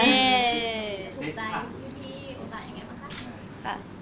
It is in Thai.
พี่ขอบใจยังไงบ้างค่ะ